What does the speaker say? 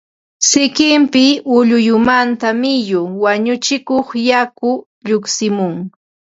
sikinpi ulluyunmanta miyu (wañuchikuq yaku) lluqsimun